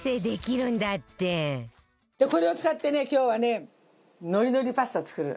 これを使ってね今日はねのりのりパスタ作る。